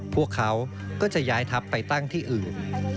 พวกเขาก็จะย้ายทัพไปตั้งที่อื่น